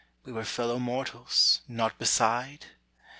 We were fellow mortals, naught beside?